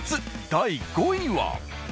第５位は。